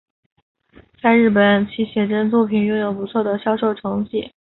在日本其写真作品拥有不错的销售成绩。